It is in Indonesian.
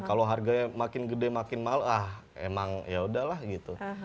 kalau harganya makin gede makin mahal ah emang yaudahlah gitu